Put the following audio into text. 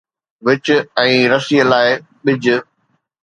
وڃ ۽ رسيءَ لاءِ پڇ